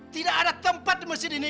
tidak ada tempat di mesir ini